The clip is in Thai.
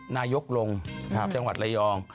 นายกลงจังหวัดระยอง